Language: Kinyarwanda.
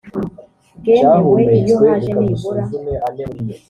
bwemewe iyo haje nibura